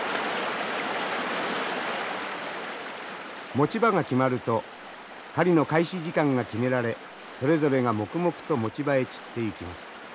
持ち場が決まると狩りの開始時間が決められそれぞれが黙々と持ち場へ散っていきます。